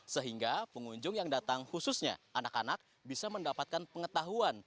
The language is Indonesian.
sehingga pengunjung yang datang khususnya anak anak bisa mendapatkan pengetahuan